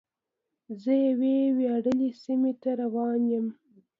زه یوې ویاړلې سیمې ته روان یم.